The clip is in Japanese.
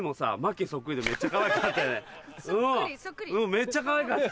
めっちゃかわいかった。